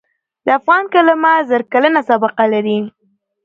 د افغان کلمه زر کلنه سابقه لري.